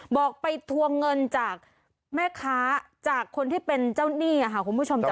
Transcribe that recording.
บอกไปทวงเงินจากแม่ค้าจากคนที่เป็นเจ้าหนี้ค่ะคุณผู้ชม